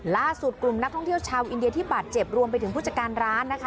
ล่าสุดกลุ่มนักท่องเที่ยวชาวอินเดียที่บาดเจ็บรวมไปถึงผู้จัดการร้านนะคะ